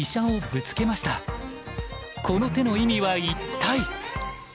この手の意味は一体？